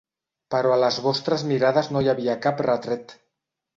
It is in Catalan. Però a les vostres mirades no hi havia cap retret.